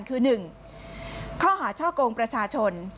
คือหนึ่งข้อหาเจ้าโกงประชาชน